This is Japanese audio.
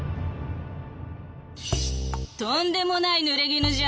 「とんでもないぬれぎぬじゃ。